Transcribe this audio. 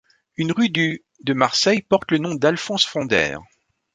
Une rue du de Marseille porte le nom d'Alphonse Fondère.